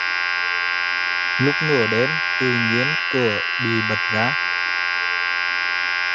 Lúc nửa đêm tự nhiên cửa bị bật ra